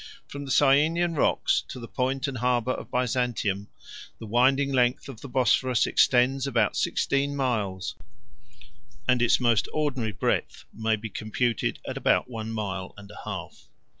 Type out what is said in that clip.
6 From the Cyanean rocks to the point and harbor of Byzantium, the winding length of the Bosphorus extends about sixteen miles, 7 and its most ordinary breadth may be computed at about one mile and a half.